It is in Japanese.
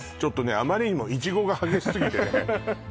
あまりにもいちごが激しすぎてね